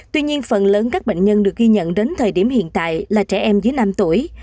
tuy nhiên phần lớn các bệnh nhân được ghi nhận đến thời điểm hiện tại là trẻ em dưới năm tuổi